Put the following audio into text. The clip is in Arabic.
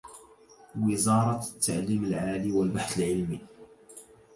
وزارة التعليم العالي و البحث العلمي